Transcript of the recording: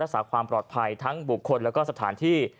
รักษาความปลอดภัยทั้งบุคคลแล้วก็สถานที่